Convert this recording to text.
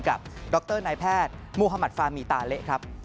ดรนายแพทย์มุธมัธฟามีตาเละครับ